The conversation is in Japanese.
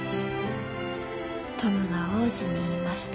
「トムは王子に言いました。